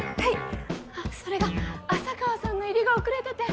あっそれが浅川さんの入りが遅れてて。